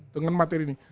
dengan materi ini